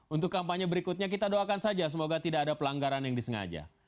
untuk kampanye berikutnya kita doakan saja semoga tidak ada pelanggaran yang disengaja